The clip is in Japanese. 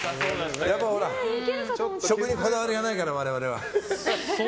食にこだわりがないから我々は。